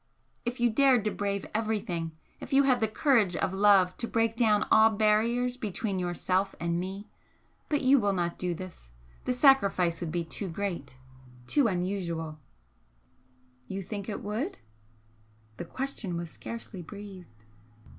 If you dared to brave everything if you had the courage of love to break down all barriers between yourself and me! but you will not do this the sacrifice would be too great too unusual " "You think it would?" The question was scarcely breathed.